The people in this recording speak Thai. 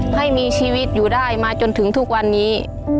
ให้มีชีวิตอยู่ได้มาจนถึงทุกวันนี้